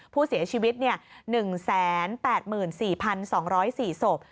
ผู้เสียชีวิต๑๘๔๒๐๔ศพ